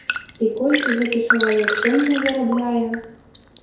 І колькі гэты чалавек сёння зарабляе?